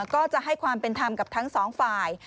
ก็จะให้ความเป็นธรรมกับทั้งสองฝ่าย